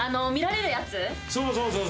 そうそうそう。